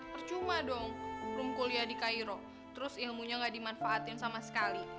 percuma dong belum kuliah di cairo terus ilmunya gak dimanfaatin sama sekali